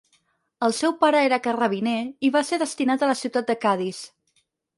El seu pare era carrabiner i va ser destinat a la ciutat de Cadis.